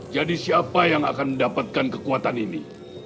jadi siapa yang akan mendapatkan kekuatan ini